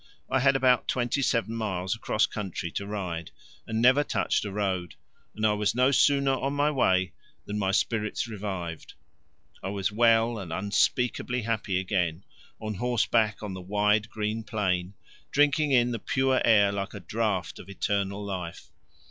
I had about twenty seven miles across country to ride and never touched a road, and I was no sooner on my way than my spirits revived; I was well and unspeakably happy again, on horseback on the wide green plain, drinking in the pure air like a draught of eternal life.